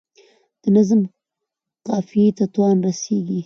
د نظم قافیې ته تاوان رسیږي.